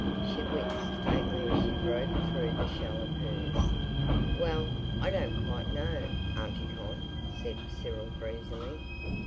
She winced faintly as she broke through the shell of hers. "Well, I don't quite know, Auntie Con," said Cyril breezily.